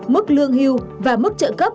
mức lương hưu và mức trợ cấp